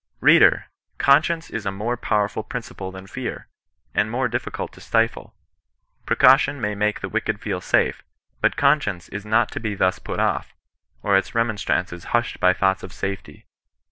Reader ! Conscience is a more powerful principle than fear : and more difiicult to stifle. Precaution may make the wicked feel safe ; but conscience is not to be thus put off, or its remonstrances hushed by thoughts of safety.